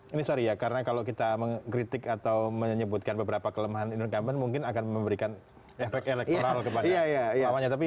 ini sorry ya karena kalau kita mengkritik atau menyebutkan beberapa kelemahan incumbent mungkin akan memberikan efek elektoral kepada lawannya